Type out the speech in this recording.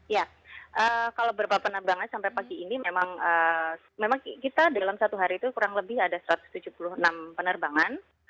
ya kalau beberapa penerbangan sampai pagi ini memang kita dalam satu hari itu kurang lebih ada satu ratus tujuh puluh enam penerbangan